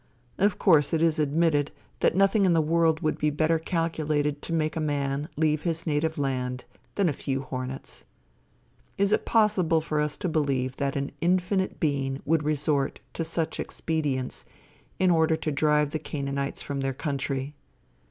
Of course it is admitted that nothing in the world would be better calculated to make a man leave his native land than a few hornets. Is it possible for us to believe that an infinite being would resort to such expedients in order to drive the Canaanites from their country?